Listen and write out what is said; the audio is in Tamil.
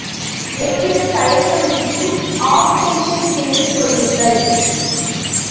எவ்விதத் தயக்கமுமின்றி ஆப்பரேஷன் செய்துகொள்ளுங்கள்.